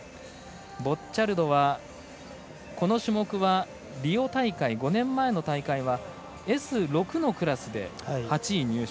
ボッチャルドはこの種目はリオ大会５年前の大会はＳ６のクラスで８位入賞。